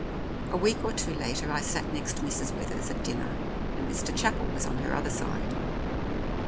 A week or two later, I sat next Mrs. Withers at dinner, and Mr. Chapel was on her other side.